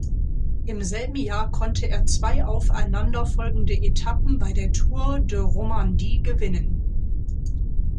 Im selben Jahr konnte er zwei aufeinanderfolgende Etappen bei der Tour de Romandie gewinnen.